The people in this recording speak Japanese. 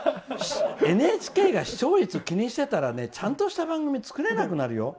ＮＨＫが視聴率を気にしてたらちゃんとした番組を作れなくなるよ。